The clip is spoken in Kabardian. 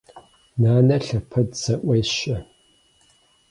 Нанэ лъэпэд зэӏуещэ.